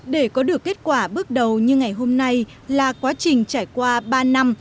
để có được kết quả bước đầu như ngày hôm nay là quá trình trải qua ba năm